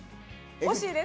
惜しいです。